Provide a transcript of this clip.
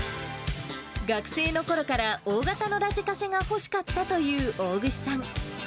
学生のころから大型のラジカセが欲しかったという大串さん。